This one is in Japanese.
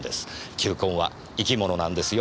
球根は生き物なんですよ。